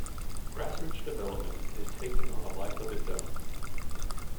Grassroots development is taking on a life of its own.